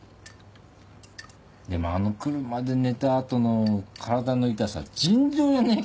でもあの車で寝た後の体の痛さ尋常じゃねえからな。